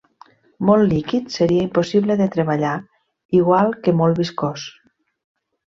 Molt líquid seria impossible de treballar igual que molt viscós.